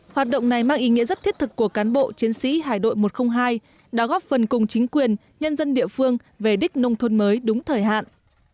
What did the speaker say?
hoạt động này mang ý nghĩa rất thiết thực của cán bộ chiến sĩ hải đội một trăm linh hai đã góp phần cùng chính quyền nhân dân địa phương về đích nông thôn mới đúng thời hạn